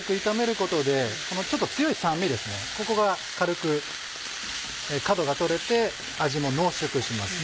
ここが軽く角が取れて味も濃縮しますね。